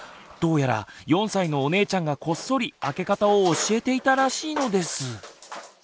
どうやら４歳のお姉ちゃんがこっそり開け方を教えていたらしいのです。